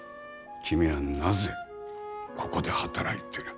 君はなぜここで働いてる。